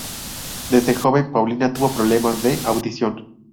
Desde joven Paulina tuvo problemas de audición.